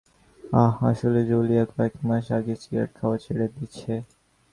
আহ, আসলে জুলিয়া কয়েক মাস আগে সিগারেট খাওয়া ছেড়ে দিছে।